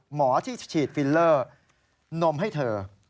หมอที่ฉีดฟิลเลอร์นมให้เธอ